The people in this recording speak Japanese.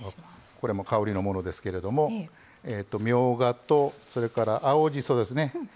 これも香りのものですけれどもみょうがと青じそですね。